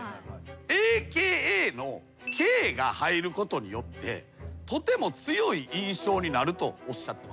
Ａ・Ｋ・ＡのＫが入ることによってとても強い印象になるとおっしゃってます。